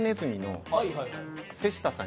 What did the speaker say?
瀬下さん